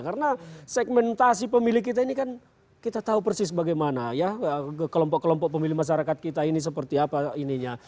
karena segmentasi pemilih kita ini kan kita tahu persis bagaimana ya kelompok kelompok pemilih masyarakat kita ini seperti apa ininya